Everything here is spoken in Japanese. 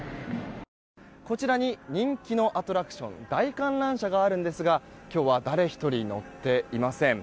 こちらに人気のアトラクション大観覧車があるんですが今日は誰一人乗っていません。